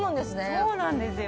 そうなんですよ。